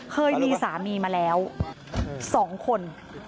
เคยมีสามีมาแล้ว๒คน